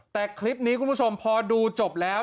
แต่คลิปนี้คุณผู้ชมพอดูจบแล้ว